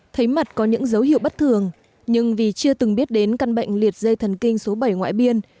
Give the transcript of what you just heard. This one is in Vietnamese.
thấy mặt có những dấu hiệu bất thường nhưng vì chưa từng biết đến căn bệnh liệt dây thần kinh số bảy ngoại biên